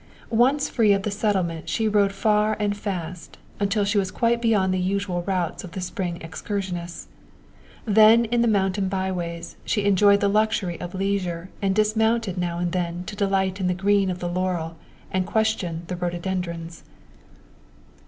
Once free of the settlement she rode far and fast, until she was quite beyond the usual routes of the Springs excursionists; then in mountain byways she enjoyed the luxury of leisure and dismounted now and then to delight in the green of the laurel and question the rhododendrons.